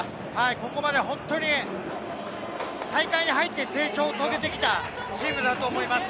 ここまで本当に大会に入って成長を続けてきたチームだと思います。